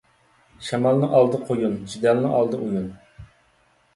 شامالنىڭ ئالدى قۇيۇن، جېدەلنىڭ ئالدى ئويۇن.